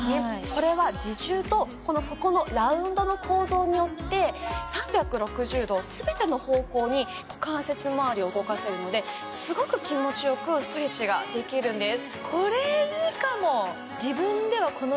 これは自重とこの底のラウンドの構造によって３６０度全ての方向に股関節まわりを動かせるのですごく気持ちよくストレッチができるんです